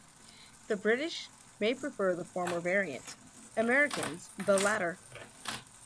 The British may prefer the former variant; Americans, the latter.